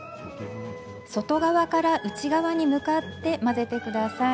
外側から内側に向かって混ぜてください。